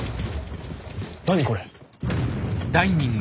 何これ？